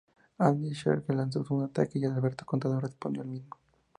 Andy Schleck lanzó un ataque y Alberto Contador respondió al mismo.